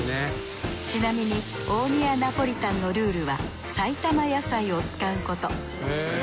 ちなみに大宮ナポリタンのルールは埼玉野菜を使うこと。